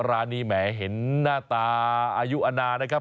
ร้านนี้แหมเห็นหน้าตาอายุอนานะครับ